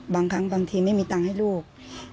บางครั้งบางทีไม่มีตังค์ให้ลูก